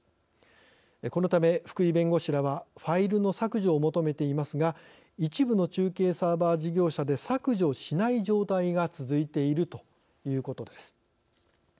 このため、福井弁護士らはファイルの削除を求めていますが一部の中継サーバー事業者で削除しない状態が続いているということです。